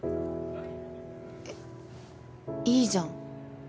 えっいいじゃん。